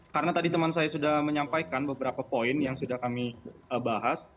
karena tadi teman saya sudah menyampaikan beberapa poin yang sudah kami bahas